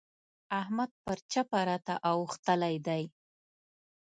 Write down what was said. احمد پر چپه راته اوښتلی دی.